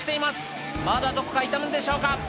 まだどこか痛むんでしょうか？